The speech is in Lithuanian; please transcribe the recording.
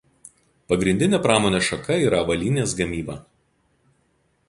Pagrindinė pramonės šaka yra avalynės gamyba.